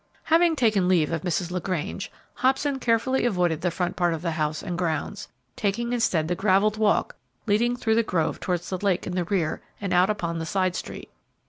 Having taken leave of Mrs. LaGrange, Hobson carefully avoided the front part of the house and grounds, taking instead the gravelled walk leading through the grove towards the lake in the rear and out upon the side street.